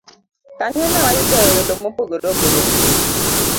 Kanyo ne wayudoe welo mopogore opogore